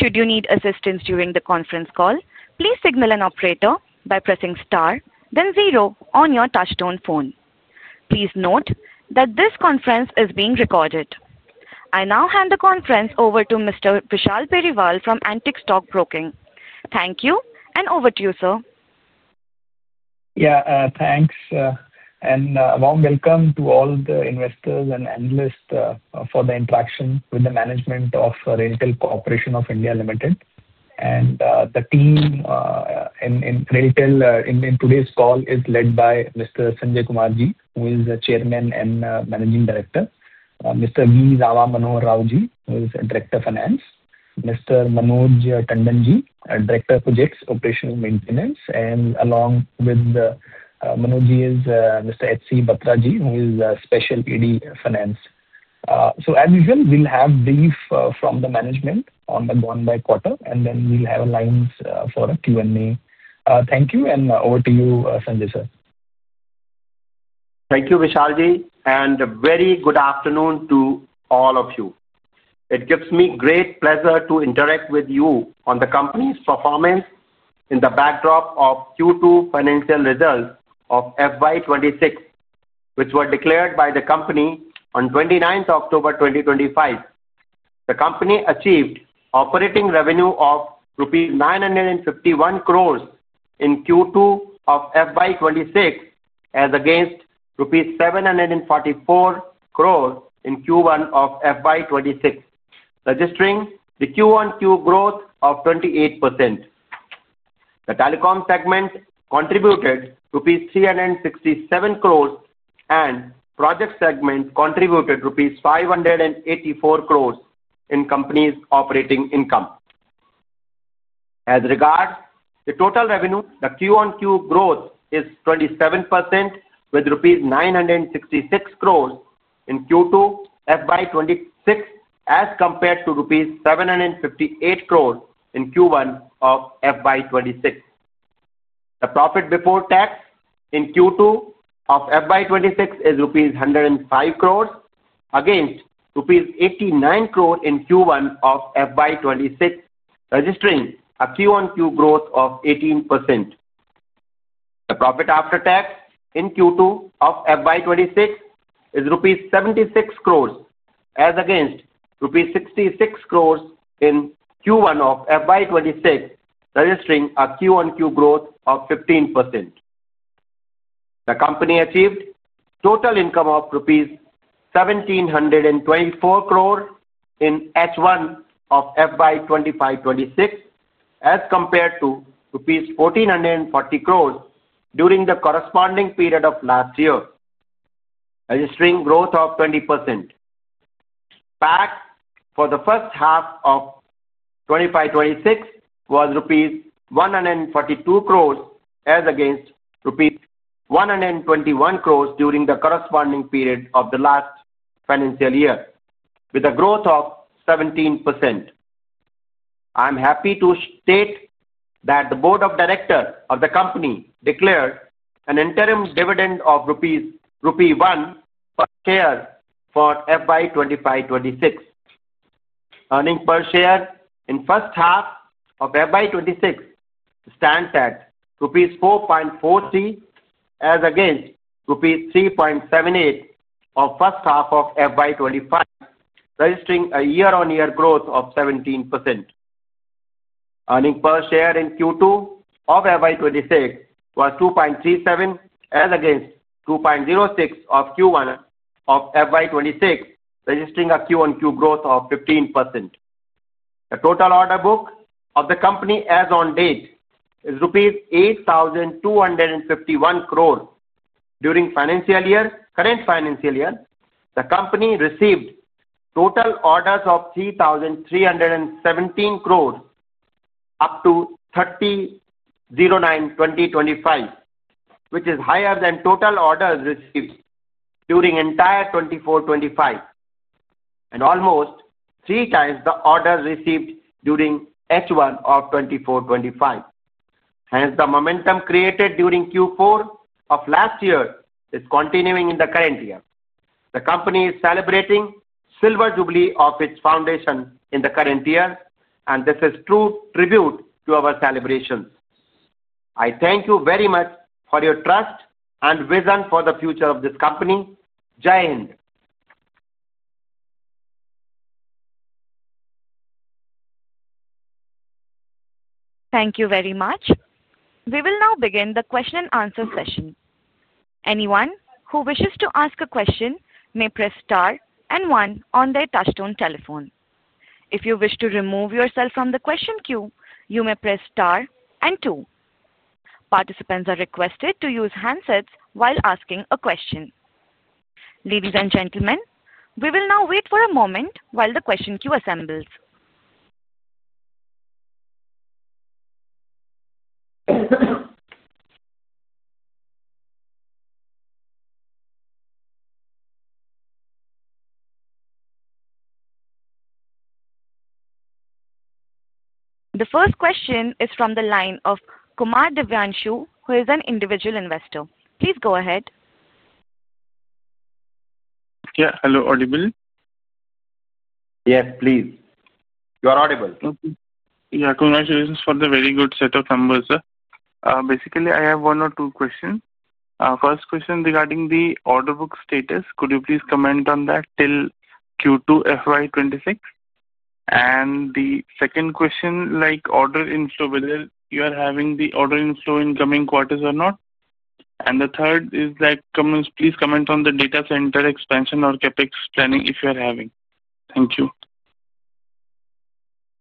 Should you need assistance during the conference call, please signal an operator by pressing Star then zero on your touchtone phone. Please note that this conference is being recorded. I now hand the conference over to Mr. Vishal Periwal from Antique Stock Broking. Thank you. Over to you, sir. Yeah. Thanks and warm welcome to all the investors and analysts for the interaction with the management of RailTel Corporation of India Limited and the team in RailTel in today's call is led by Mr. Sanjai Kumarji who is the Chairman and Managing Director, Mr. V. Rama Manohara Raoji who is Director, Finance, Mr. Manoj Tandonji, Director, Projects, Operations & Maintenance. Along with Manoji is Mr. H.C. Batraji who is Special Executive Director, Finance. As usual, we'll have brief from the management on the quarter and then we'll have lines for a Q and A. Thank you. Over to you, Sanjai sir. Thank you, Vishalji, and a very good afternoon to all of you. It gives me great pleasure to interact with you on the company's performance in the backdrop of Q2 financial results of FY 2026, which were declared by the company on 29th October 2025. The company achieved operating revenue of rupees 951 crore in Q2 of FY 2026 as against rupees 744 crore in Q1 of FY 2026, registering the QoQ growth of 28%. The telecom segment contributed rupees 367 crore and project segment contributed rupees 584 crore in company's operating income. As regards the total revenue, the QoQ growth is 27% with rupees 966 crore in Q2 FY 2026 as compared to rupees 758 crore in Q1 of FY 2026. The profit before tax in Q2 of FY 2026 is rupees 105 crore against rupees 89 crore in Q1 of FY 2026, registering a QoQ growth of 18%. The profit after tax in Q2 of FY 2026 is rupees 76 crore as against rupees 66 crore in Q1 of FY 2026, registering a QoQ growth of 15%. The company achieved total income of rupees 1,724 crore in H1 of FY 2026 as compared to rupees 1,440 crore during the corresponding period of last year, registering growth of 20%. PAT for the first half of FY 2026 was rupees 142 crore as against rupees 121 crore during the corresponding period of the last financial year, with a growth of 17%. I am happy to state that the Board of Directors of the company declared an interim dividend of rupee 1 per share for FY 2026. Earnings per share in first half of FY 2026 stands at rupees 4.43 as against rupees 3.78 of first half of FY 2025, registering a year-on-year growth of 17%. Earnings per share in Q2 of FY 2026 was 2.37 as against 2.06 of Q1 of FY 2026, registering a QoQ growth of 15%. The total order book of the company as on date is rupees 8,251 crore. During current financial year, the company received total orders of 3,317 crore up to 30.09.2025, which is higher than total orders received during entire FY 2025 and almost three times the order received during H1 of FY 2025. Hence, the momentum created during Q4 of last year is continuing in the current year. The company is celebrating silver jubilee of its foundation in the current year, and this is true tribute to our celebrations. I thank you very much for your trust and vision for the future of this company. Jain. Thank you very much. We will now begin the question and answer session. Anyone who wishes to ask a question may press star and one on their touchtone telephone. If you wish to remove yourself from the question queue, you may press star and two. Participants are requested to use handsets while asking a question. Ladies and gentlemen, we will now wait for a moment while the question queue assembles. The first question is from the line of Kumar Divyanshu, who is an individual investor. Please go ahead. Yeah. Hello. Audible? Yes, please. You are audible. Yeah. Congratulations for the very good set of numbers. Basically I have one or two questions. First question regarding the order book status. Could you please comment on that till Q2 FY 2026? The second question like order in. Are you having the order? Inflow in coming quarters or not. The third is that. Please comment on the data center expansion or CapEx planning if you are having. Thank you.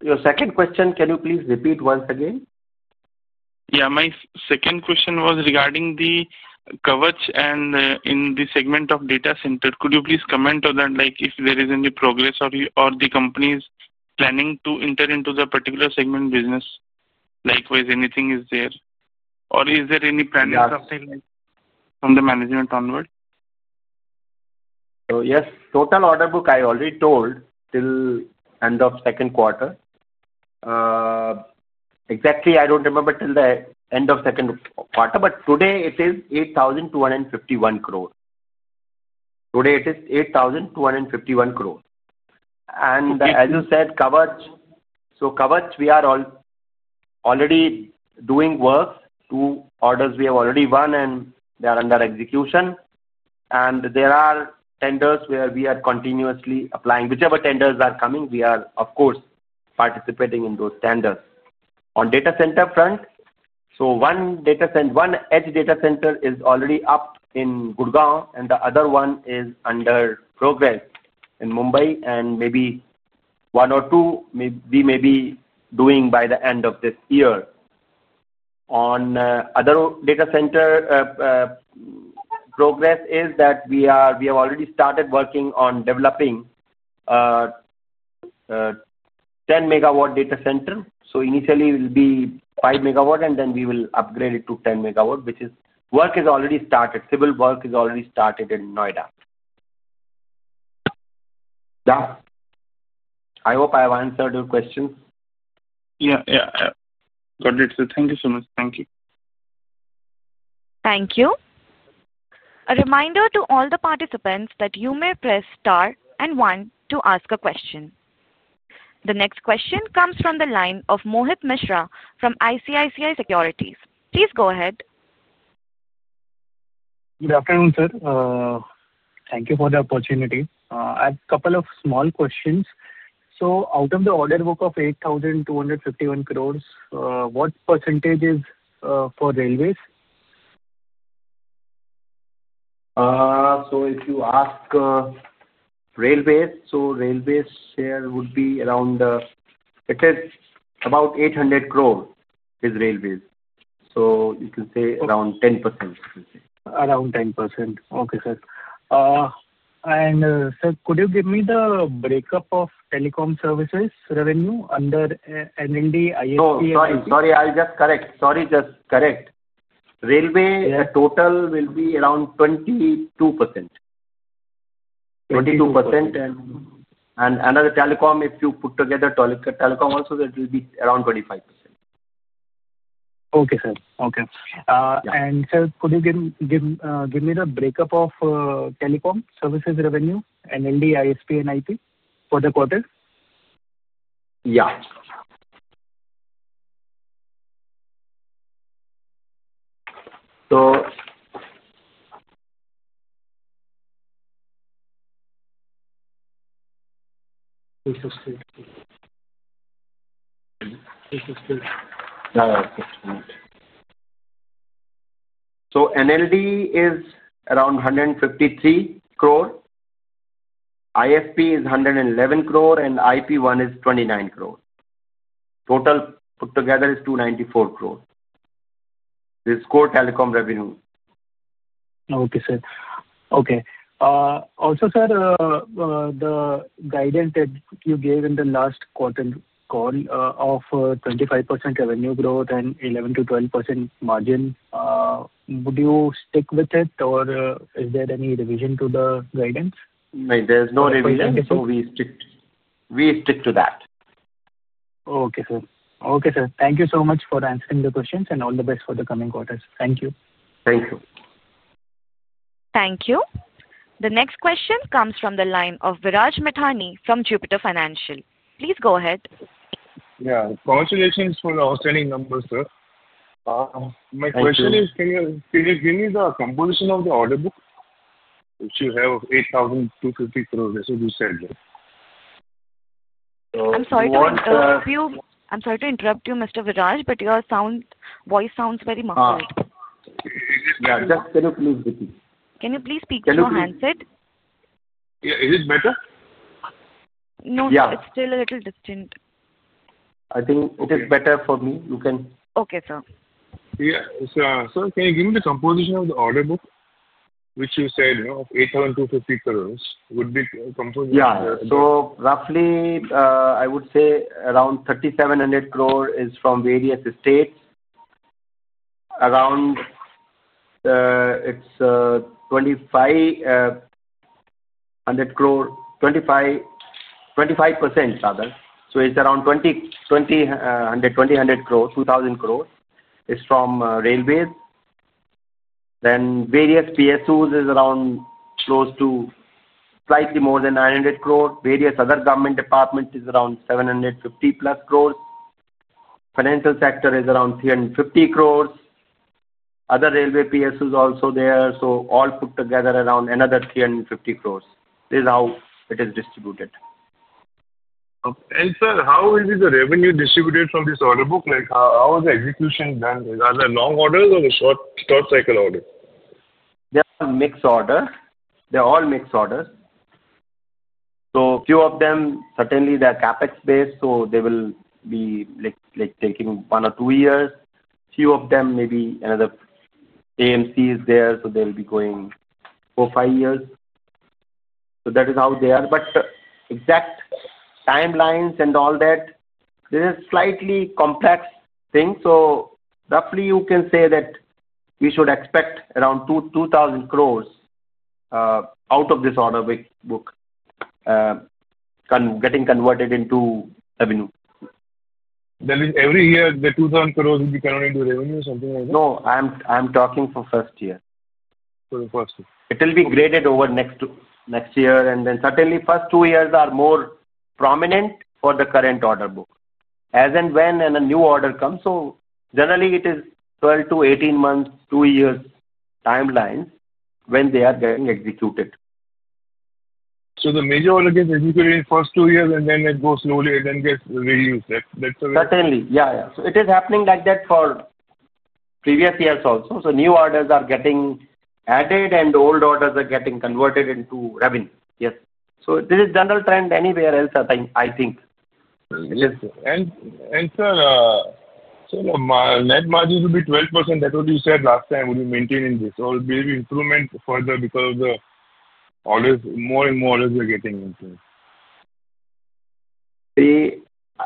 Your second question, can you please repeat once again? My second question was regarding the coverage and in the segment of data center. Could you please comment on that, like if there is any progress or the company is planning to enter into the particular segment business? Likewise, is there anything there or is there? Any planning something from the management onward. Yes, total order book. I already told till end of second quarter. Exactly, I don't remember till the end of second quarter, but today it is 8,251 crore. Today it is 8,251 crore. As you said, Kavach. Kavach, we are already doing work. Two orders we have already won and they are under execution. There are tenders where we are continuously applying. Whichever tenders are coming, we are of course participating in those tenders. On data center front, one data center, one edge data center is already up in Gurgaon and the other one is under progress in Mumbai. Maybe one or two we may be doing by the end of this year. On other data center progress, we have already started working on developing 10 MW data center. Initially it will be 5 MW and then we will upgrade it to 10 MW. Work is already started. Civil work is already started in Noida. I hope I have answered your question. Yeah, yeah. Got it sir. Thank you so much. Thank you. Thank you. A reminder to all the participants that you may press star and one to ask a question. The next question comes from the line of Mohit Mishra from ICICI Securities. Please go ahead. Good afternoon, sir. Thank you for the opportunity. A couple of small questions. Out of the order book of 8.251 billion, what % is for railways? If you ask Railways, railways here would be around, it is about 800 crore. Railways, you can say around 10%. Around 10%. Okay, sir. Sir, could you give me the breakup of telecom services revenue under NND? Sorry, just correct. Railway total will be around 22%. 22%. Another telecom, if you put together telecom also, that will be around 25%. Okay sir. Okay. Sir, could you give me the breakup of telecom services revenue and ND ISP and IP for the quarter? NLD is around 153 crore. IFP is 111 crore and IP1 is 29 crore. Total put together is 294 crore. This is core telecom revenue. Okay, sir. Okay. Also sir, the guidance that you gave in the last quarter call of 25% revenue growth and 11 to 12% margin, would you stick with it or is there any revision to the guidance? There's no revision. We stick to that. Okay. Okay. Sir, thank you so much for answering the questions. All the best for the coming quarters. Thank you. Thank you. Thank you. The next question comes from the line of Viraj Mithani from Jupiter Financial. Please go ahead. Yeah. Congratulations for the outstanding number, sir. My question is, can you give me the composition of the order book which you have? 8,250 crore. I'm sorry to interrupt you, Mr. Viraj, but your voice sounds very. Yeah. Can you please speak on your handset? Yeah. Is it better? No, it's still a little distant. I think it is better for me. You can. Okay sir. Yeah. Can you give me the composition of the order book, which you said, you know, 8,250 crore would be composed? I would say around 3,700 crore is from various states. Around INR 2,500 crore. 25% rather, so it's around 2,020 crore. 2,000 crore is from railways. Various PSUs is around close to slightly more than 900 crore. Various other government departments is around 750 plus crore. Financial sector is around 350 crore. Other railway PS is also there. All put together, around another 350 crore is how it is distributed. Sir, how is the revenue distributed from this order book? How is the execution done? Long orders or the short cycle order? They are mixed orders. They're all mixed orders. A few of them, certainly they're CapEx based, so they will be like taking one or two years. A few of them, maybe another AMC is there, so they will be going four, five years. That is how they are. Exact timelines and all that, there is a slightly complex thing. Roughly, you can say that we should expect around 22,000 crores out of this order book getting converted into revenue. That is, every year the 2,000 crore will be converted into revenue, something like that. I'm talking for first year. It will be graded over next year. Certainly, first two years are more prominent for the current order book as and when a new order comes. Generally, it is 12 to 18 months, 2 years timeline when they are getting executed. The major order gets executed in the first two years, and then it goes slowly and then gets reused. Certainly. Yeah, it is happening like that for previous years also. New orders are getting added and old orders are getting converted into revenue. Yes. This is general trend anywhere else, I think. Sir, net margins will be 12%. That what you said last time. Would you maintain in this or maybe improvement further because the always more and more as we're getting.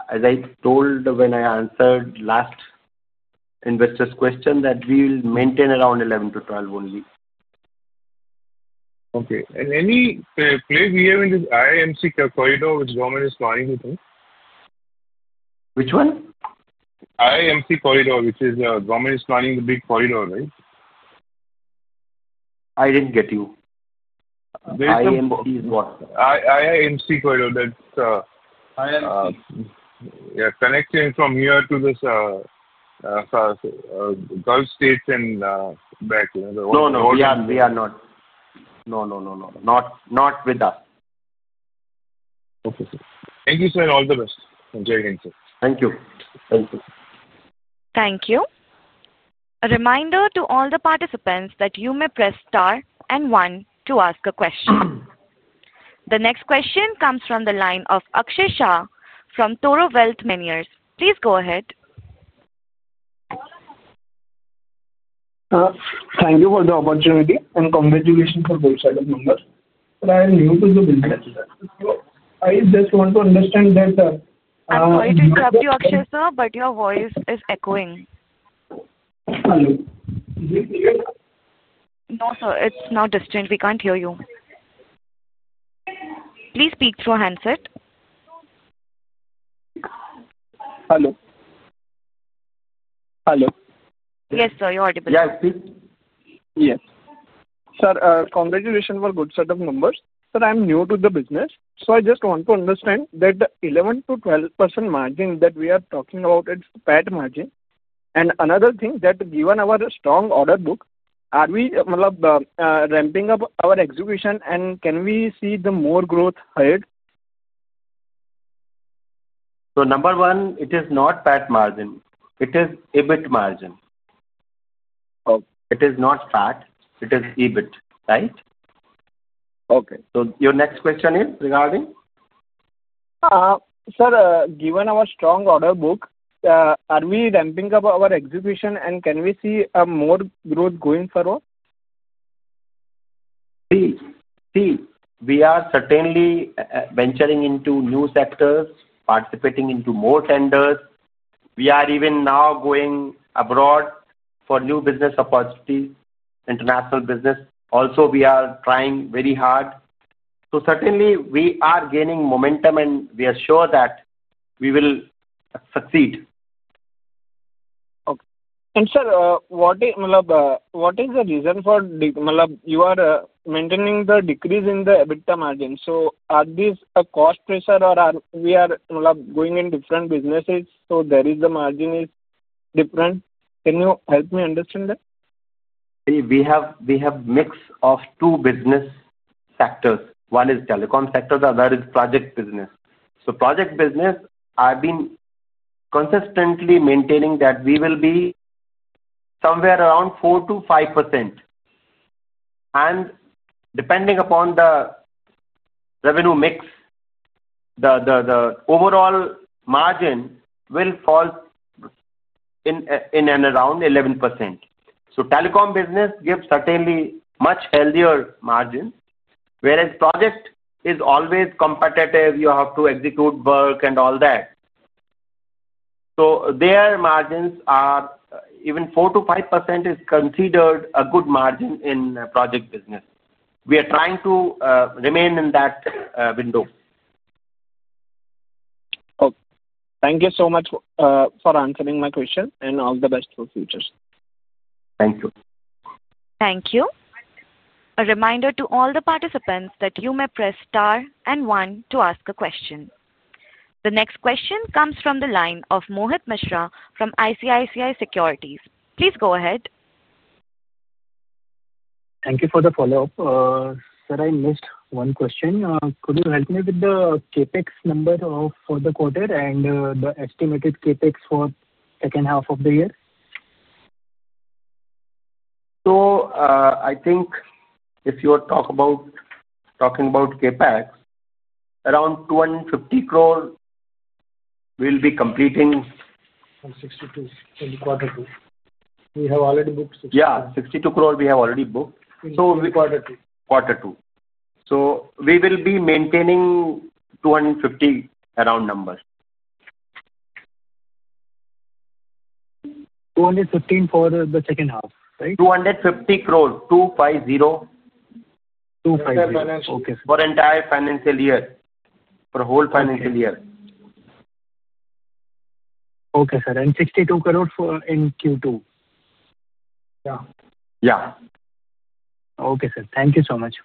As I told when I answered last investor's question, we will maintain around 11 to 12 only. Okay. Do we have any place in this IMEC corridor which the government is planning to? Think which one? IMEC corridor which is government is running the big corridor right? I didn't get you. That's. Yeah. Connecting from here to the Gulf States and back. No, we are not. Not with us. Thank you, sir. All the best. Enjoy. Thank you. Thank you. A reminder to all the participants that you may press star and one to ask a question. The next question comes from the line of Axay Shah from Toro Wealth Managers. Please go ahead. Thank you for the opportunity and congratulations for both sides of members. I just want to understand that. I'm sorry to interrupt you, Axay. Sir, but your voice is echoing. No, sir, it's not distant. We can't hear you. Please speak through handset. Hello. Hello. Yes sir, you're audible. Yes, sir. Congratulations for good set of numbers. I'm new to the business, so I just want to understand that 11%-12% margin that we are talking about, it's PAT margin. Another thing, given our strong order book, are we ramping up our execution and can we see more growth ahead? Number one, it is not PAT margin, it is EBIT margin. It is not PAT, it is EBIT. Right. Okay. Your next question is regarding? Sir, given our strong order book, are we ramping up our execution and can we see more growth going forward? We are certainly venturing into new sectors, participating in more tenders. We are even now going abroad for new business opportunities, international business also. We are trying very hard. We are certainly gaining momentum and we are sure that we will succeed. Okay. Sir, what is the reason for you maintaining the decrease in the EBITDA margin? Are these a cost pressure or are we going in different businesses? The margin is different. Can you help me understand that? We have a mix of two business sectors. One is telecom sector, the other is project business. Project business, I've been consistently maintaining that we will be somewhere around 4%-5% and depending upon the revenue mix, the overall margin will fall in and around 11%. Telecom business gives certainly much healthier margin, whereas project is always competitive. You have to execute work and all that, so their margins are, even 4%-5% is considered a good margin. In project business, we are trying to remain in that window. Thank you so much for answering my question. All the best for future. Thank you. Thank you. A reminder to all the participants that you may press star and one to ask a question. The next question comes from the line of Mohit Mishra from ICICI Securities. Please go ahead. Thank you for the follow up. Sir, I missed one question. Could you help me with the CapEx number for the quarter and the estimated CapEx for second half of the year. If you are talking about CapEx around 250 crore, we'll be completing. We have already booked. Yeah. 62 crore. We have already booked quarter two. We will be maintaining 250 crore around numbers. 215 crore for the second half right? 250 crore. 250 for entire financial year, for whole financial year. Okay, sir. 62 crore in Q2. Yeah? Yeah. Okay sir. Thank you so much.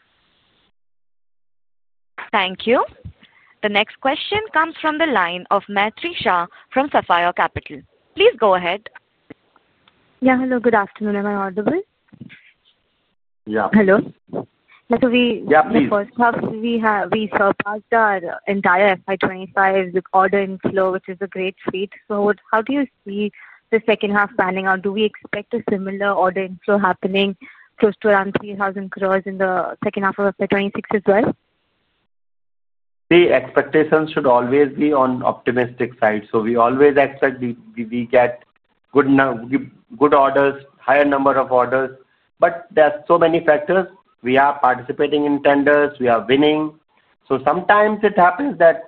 Thank you. The next question comes from the line of Maitri Shah from Sapphire Capital. Please go ahead. Yeah. Hello. Good afternoon. Am I audible? Yeah. Hello. We surpassed our entire FY 2025 order inflow, which is a great feat. How do you see the second half panning out? Do we expect a similar order inflow happening close to around 3,000 crore in the second half of FY 2026 as well? The expectations should always be on the optimistic side. We always expect we get good orders, higher number of orders. There are so many factors. We are participating in tenders, we are winning. Sometimes it happens that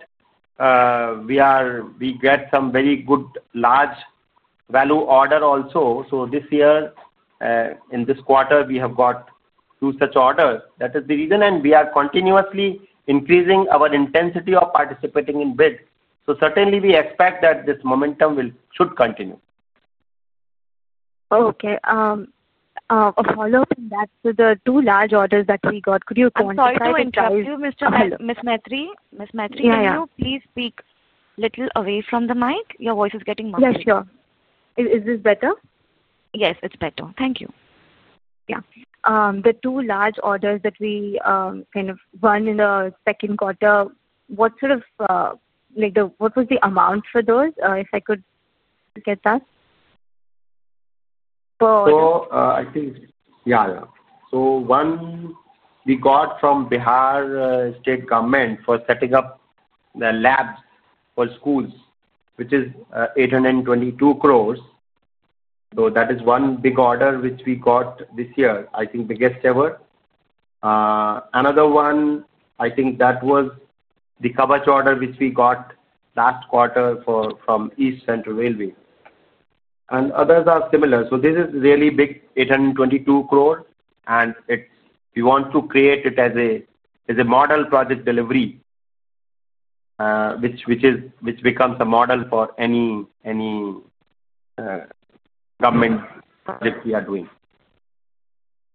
we get some very good large value order also. This year in this quarter we have got two such orders. That is the reason. We are continuously increasing our intensity of participating in bid, so certainly we expect that this momentum should continue. Okay. A follow up to the two large orders that we got. Could you, sorry to interrupt you, Ms. Maitri please speak a little away from the mic. Your voice is getting—yes, sure. Is this better? Yes, it's better. Thank you. Yeah. The two large orders that we kind of won in the second quarter, what was the amount for those? If I could get that. We got one from the Bihar state government for setting up the labs for schools, which is 822 crore. That is one big order which we got this year. I think the guest ever another one. I think that was the Kavach order which we got last quarter from East Central Railway, and others are similar. This is really big, 822 crore, and we want to create it as a model project, delivery which becomes a model for any government project we are doing.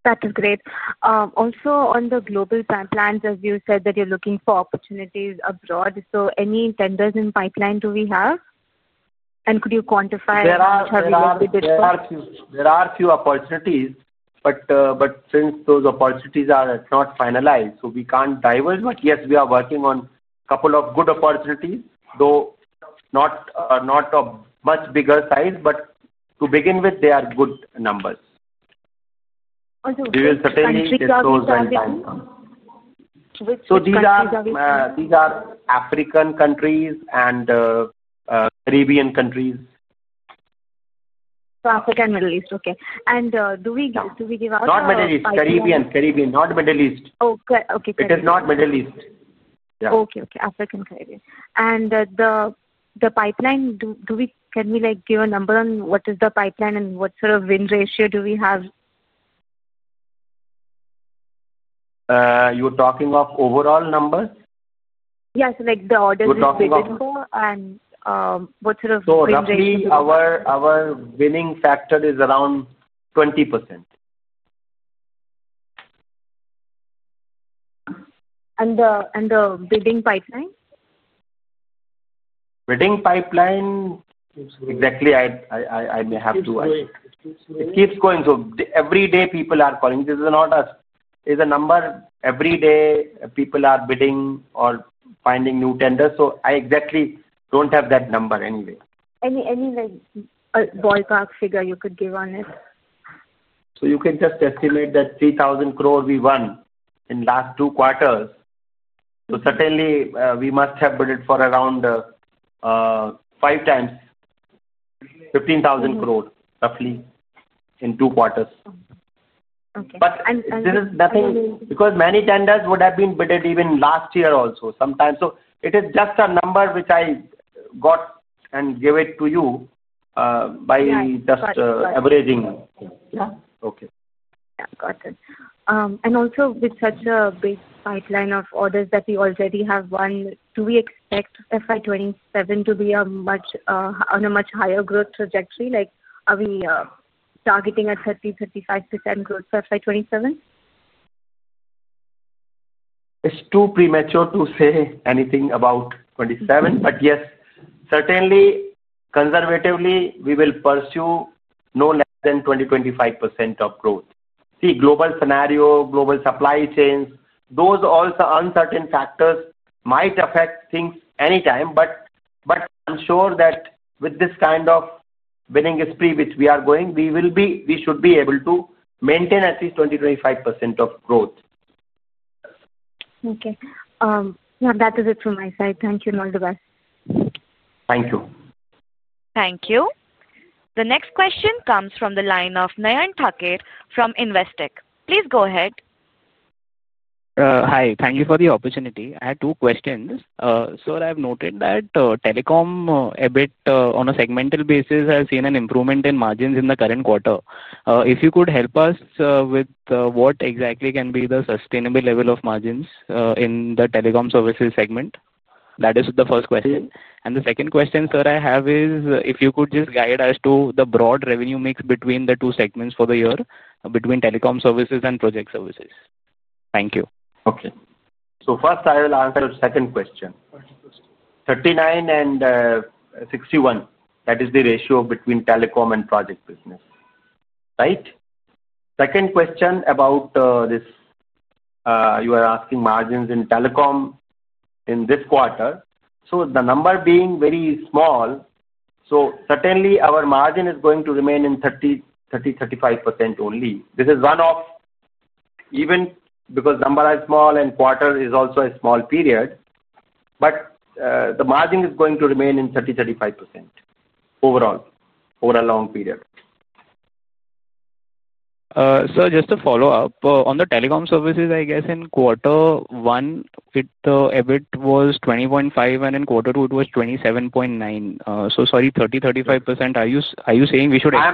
That is great. Also, on the global plans, as you said that you're looking for opportunities abroad, do we have any tenders in pipeline and could you quantify? There are a few opportunities. Since those opportunities are not finalized, we can't diverge. Yes, we are working on a couple of good opportunities, though not a much bigger size. To begin with, they are good numbers. These are African countries and Arabian countries. African, Middle East. Okay. Do we give. Not many. Caribbean, not Middle East. Okay. Okay. It is not Middle East. Okay. African, Caribbean. The pipeline, do we, can we like give a number on what is the pipeline and what sort of win ratio do we have? You're talking of overall numbers? Yes, like the order and what sort of. Roughly our winning factor is around 20%. The bidding pipeline. Bidding pipeline, exactly. I may have to. It keeps going. Every day people are calling. This is not, as a number, every day people are bidding or finding new tenders. I exactly have that number. Anyway, any. Any ballpark figure you could give on it? You can just estimate that 3,000 crore we won in the last two quarters. We must have bidded for around five times, 15,000 crore roughly in two quarters. There is nothing because many tenders would have been bidded even last year also sometimes. It is just a number which I got and give it to you by just averaging. Okay, got it. With such a big pipeline of orders that we already have won, do we expect FY2027 to be on a much higher growth trajectory? Are we targeting at 30%, 35% growth for FY 2027? It's too premature to say anything about 2027. Yes, certainly, conservatively we will pursue no less than 20%-25% of growth. See, global scenario, global supply chains, those also uncertain factors might affect things anytime. I'm sure that with this kind of winning spree which we are going, we should be able to maintain at least 20%-25% of growth. So. Okay, now that is it from my side. Thank you. Thank you. Thank you. The next question comes from the line of Nayan Thakker from Investec. Please go ahead. Hi. Thank you for the opportunity. I had two questions, sir. I have noted that telecom EBIT on a segmental basis has seen an improvement in margins in the current quarter. If you could help us with what exactly can be the sustainable level of margins in the telecom services segment, that is the first question. The second question, sir, I have is if you could just guide us to the broad revenue mix between the two segments for the year between telecom services and project services. Thank you. Okay, so first I will answer the second question. 39% and 61%, that is the ratio between telecom and project business. Right. Second question about this. You are asking margins in telecom in this quarter. The number being very small, our margin is going to remain in 30%-35% only. This is one off even because numbers are small and quarter is also a small period. The margin is going to remain in 30%-35% overall over a long period. Just to follow up on the. Telecom services, I guess in quarter one EBIT was 20.5% and in quarter two it was 27.9%. Sorry, 30%, 35%. Are you, are you saying we should. I'm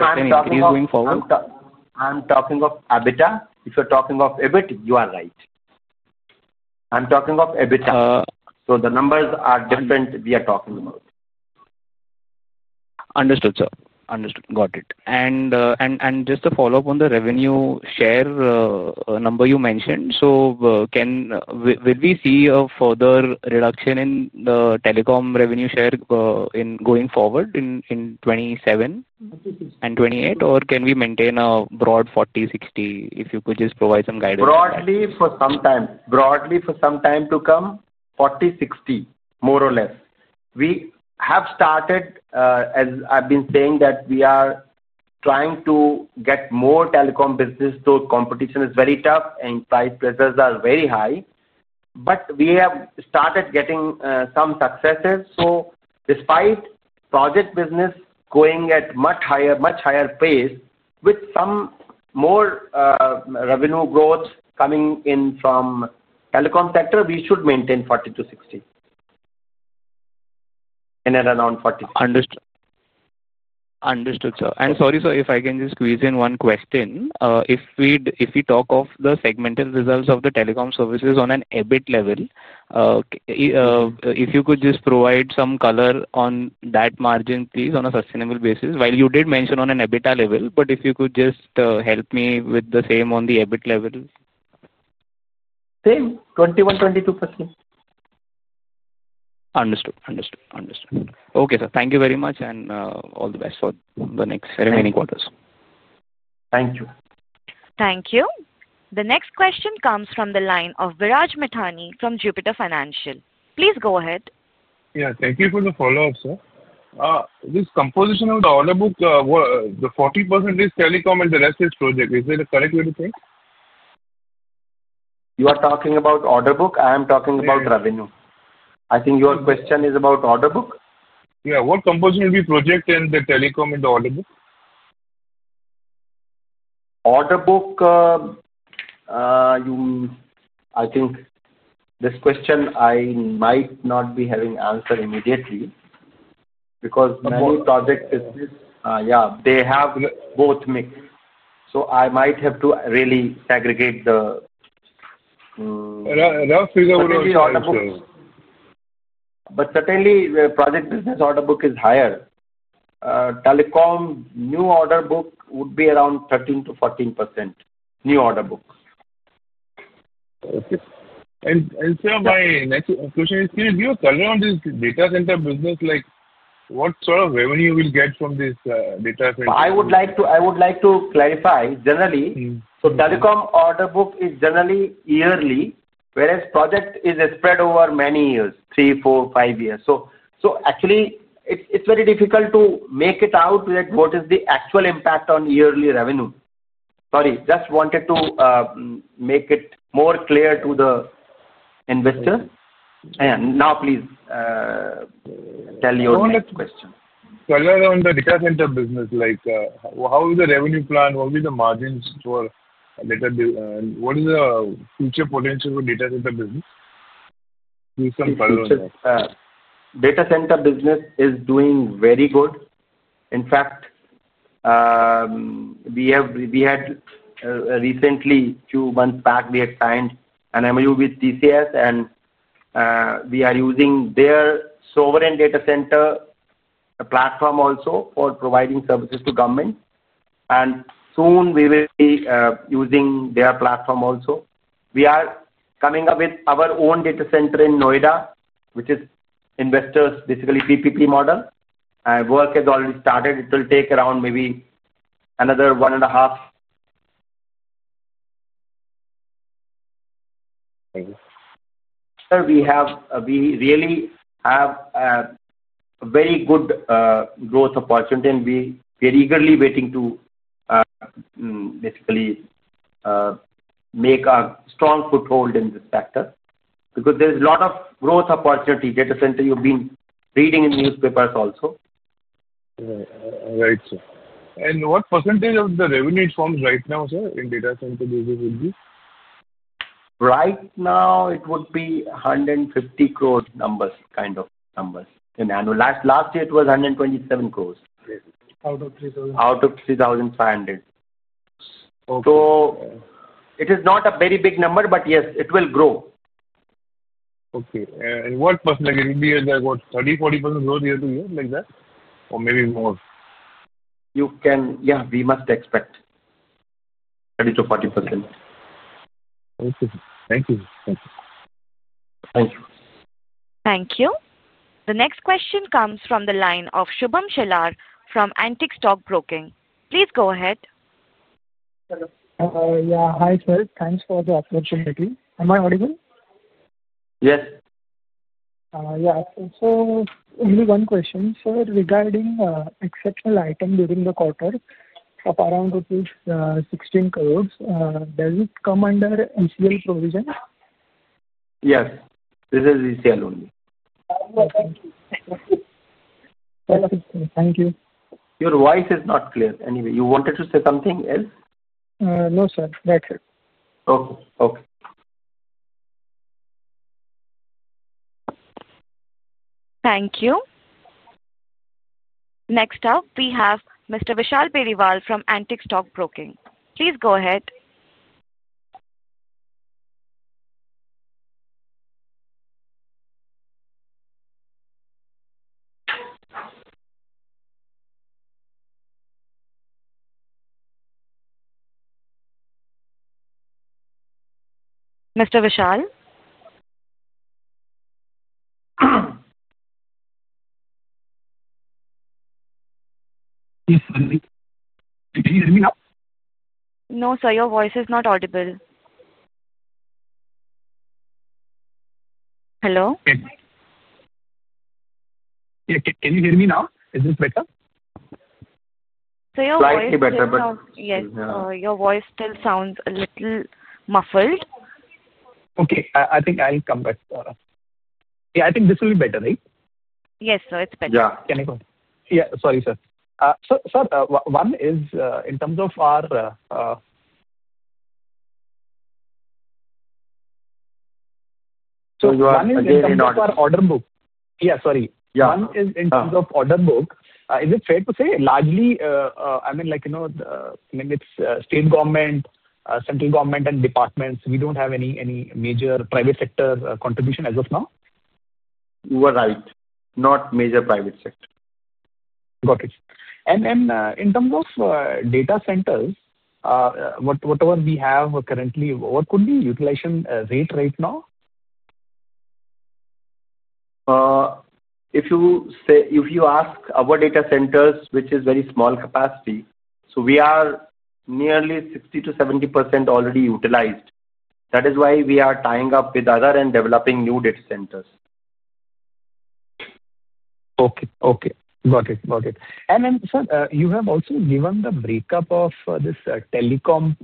talking of EBITDA. If you're talking of EBIT, you are right. I'm talking of EBITDA, so the numbers are different. We are talking about. Understood, sir, understood. Got it. Just to follow up on the revenue share number you mentioned, will we see a further reduction in the telecom revenue share going forward in 2027 and 2028, or can we maintain a broad 40%, 60%? If you could just provide some guidance. Broadly for some time to come, 40%, 60%, more or less. We have started, as I've been saying, that we are trying to get more telecom business, though competition is very tough and price pressures are very high. We have started getting some successes. Despite project business going at much higher pace, with some more revenue growth coming in from telecom sector, we should maintain 40% to 60% in and around 40%. Understood? Understood, sir. Sorry sir, if I can just squeeze in one question. If we talk of the segmental results of the telecom services on an EBIT level, if you could just provide some color on that margin please, on a sustainable basis. While you did mention on an EBITDA level, if you could just help me with the same on the EBIT level. Same. 21%, 22%. Understood, understood, understood. Okay, thank you very much. All the best for the next remaining quarters. Thank you. Thank you. The next question comes from the line of Viraj Mithani from Jupiter Financial. Please go ahead. Yeah, thank you for the follow up. Sir, this composition of the order book, the 40% is telecom and the rest is project. Is it a correct way to think about? You are talking about order book. I am talking about revenue. I think your question is about order book. Yeah. What composition will be project in the telecom and order book? Order book, you. I think this question I might not be having answer immediately because, yeah, they have both mixed. I might have to really segregate the. Certainly, the project business order book is higher. Telecom new order book would be around 13%-14% new order books. Sir, my next question is can you give a color on this data center business, like what sort of revenue will get from this? I would like to clarify generally. Telecom order book is generally yearly, whereas project is spread over many years, three, four, five years. Actually, it's very difficult to make it out what is the actual impact on yearly revenue. Sorry, just wanted to make it more clear to the investor. Please tell your question. Business like, how is the revenue plan? What will be the margins for data? What is the future potential for data center business? Data center business is doing very good. In fact, we have. We had recently, a few months back, signed an MoU with Tata Consultancy Services and we are using their sovereign data center platform also for providing services to government. Soon we will be using their platform also. We are coming up with our own data center in Noida, which is investors. Basically, PPP model work has already started. It will take around maybe another one and a half. Sir, we really have a very good growth opportunity. We are eagerly waiting to basically make a strong foothold in this sector because there's a lot of growth opportunities at the center. You've been reading in newspapers also. Right, sir. What percentage of the revenue does it form right now, sir, in data center? Right now it would be 150 crore kind of numbers in annual last. Last year it was 127 crore out of 3,500. It is not a very big number, but yes, it will grow. Okay. What percent, like, it will be 30%, 40% growth year to year, like that or maybe more. You can. We must expect 30 to 40%. Thank you. Thank you. The next question comes from the line of Shubham Shelar from Antique Stockbroking. Please go ahead. Hi sir, thanks for the opportunity. Am I audible? Yes. Yeah. Only one question. Regarding the exceptional item during the quarter of around rupees 16 crore, does it come under ECL provision? Yes, this is ECL only. Thank you. Your voice is not clear anyway. You wanted to say something else? No, sir. Record. Okay. Okay. Thank you. Next up we have Mr. Vishal Periwal from Antique Stockbroking. Please go ahead, Mr. Vishal. No sir, your voice is not audible. Hello. Can you hear me now? Is this better? Your voice still sounds a little muffled. Okay, I think I'll come back. Yeah, I think this will be better, right? Yes, it's better. Yeah. Can I go? Yeah. Sorry sir, one is in terms of our order. Yeah, sorry. Yeah. In terms of order book, is it fair to say, largely, I mean like you know it's state government, central government and departments? We don't have any major private sector contribution as of now. You are right, not major private sector. Got it. In terms of data centers, whatever we have currently, what could be utilization rate right now? If you ask our data centers, which is very small capacity, we are nearly 60%-70% already utilized. That is why we are tying up with others and developing new data centers. Okay. Okay, got it. Got it. Sir, you have also given the breakup of this telecom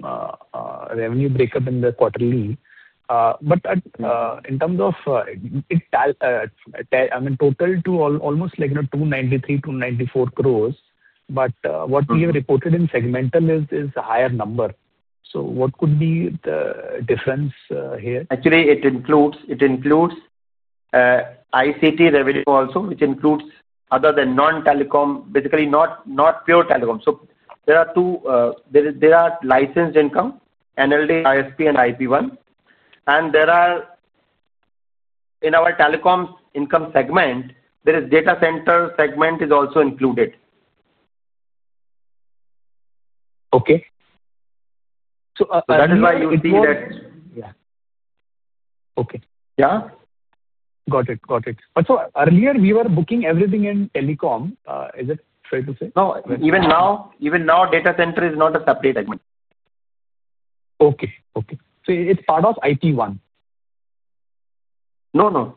revenue breakup in the quarterly. In terms of total, it is almost like 293 or 294 crore. What we have reported in segmental is a higher number. What could be the difference here? Actually, it includes ICT revenue also, which includes other than non-telecom, basically not pure telecom. There are two. There are licensed income, NLD, ISP, and IP1. In our telecoms income segment, the data center segment is also included. That is why you see that. Yeah, okay. Yeah, got it. Got it. Earlier we were booking everything in telecom. Is it frequency? No. Even now, even now data center is not a separate agreement. Okay. Okay. It's part of iP1? No, no.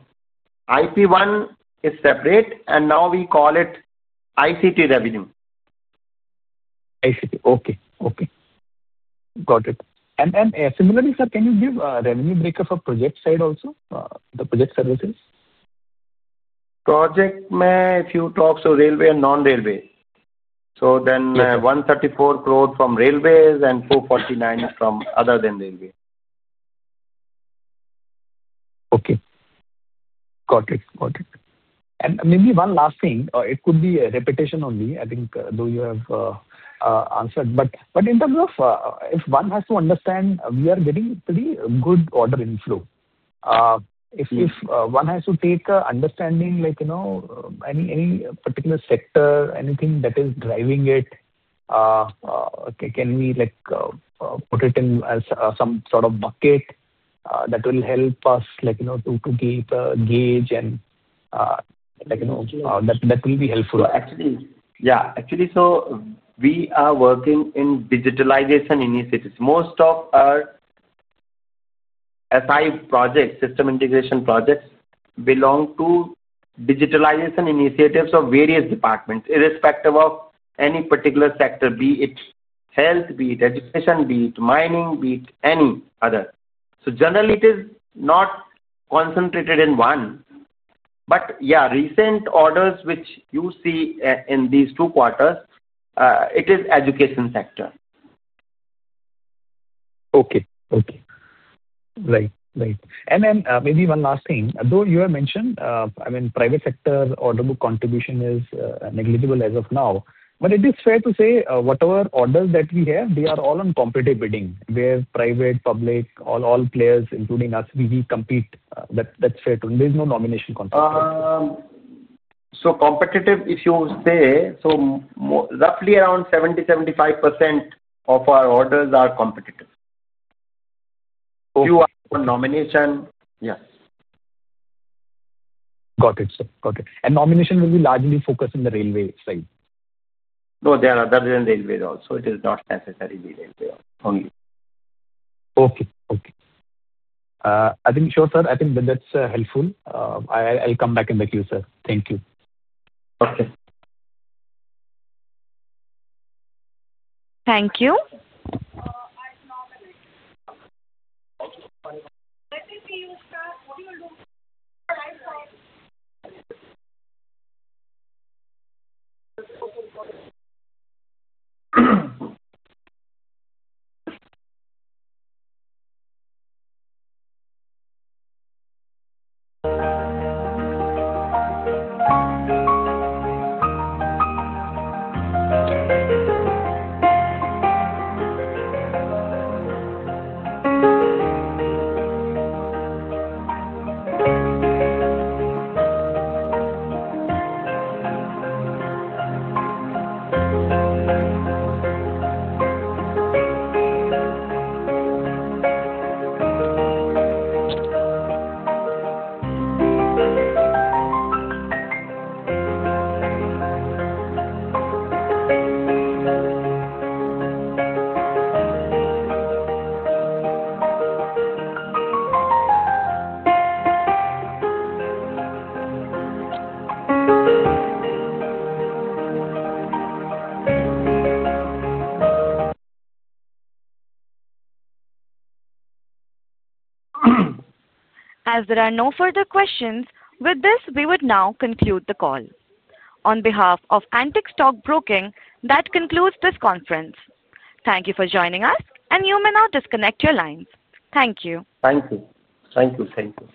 IP1 is separate. We call it ICT revenue. Okay. Okay, got it. Sir, can you give a revenue breaker for project side also? Project services project, if you talk railway and non-railway, then 134 crore from railways and 449 crore from other than railway. Okay, got it. Maybe one last thing. It could be a repetition only. I think you have answered. In terms of if one has to understand, we are getting pretty good order inflow. If one has to take understanding, like you know, any particular sector, anything that is driving it, can we put it in as some sort of bucket that will help us to keep a gauge and that will be helpful. Actually, we are working in digitalization initiatives. Most of our SI projects, system integration projects, belong to digitalization initiatives of various departments irrespective of any particular sector, be it health, be it education, be it mining, be it any other. It is not concentrated in one. Recent orders which you see in these two quarters, it is education sector. Okay, okay. Right, right. Maybe one last thing, though you have mentioned, I mean private sector order book contribution is negligible as of now. It is fair to say whatever orders that we have, they are all on competitive bidding where private, public, all players, including us, we compete. That's fair to say. There's no domination. So competitive if you say, so roughly around 70%-75% of our orders are competitive. Nomination. Yeah, got it, got it. Nomination will be largely focused in the railway side? No, there are other than railways also. It is not necessarily only. Okay, okay. Sure, sir. I think that's helpful. I'll come back in the queue, sir. Thank you. Okay. Thank you. As there are no further questions with this, we would now conclude the call on behalf of Antique Stock Broking. That concludes this conference. Thank you for joining us and you may now disconnect your lines. Thank you. Thank you.